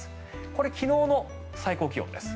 これ、昨日の最高気温です。